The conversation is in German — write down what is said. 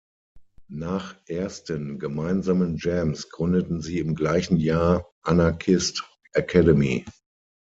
Nach ersten gemeinsamen Jams gründeten sie im gleichen Jahr Anarchist Academy.